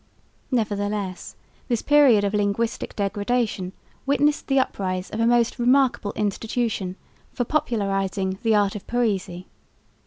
Nevertheless this period of linguistic degradation witnessed the uprise of a most remarkable institution for popularising "the Art of Poesy."